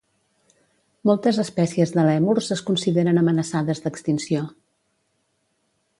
Moltes espècies de lèmurs es consideren amenaçades d'extinció.